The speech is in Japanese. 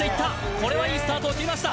これはいいスタートを切りました。